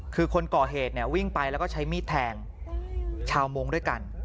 คือคนก่อเหตุวิ่งไปใช้มีดแทงชาวโมงด้วยกัน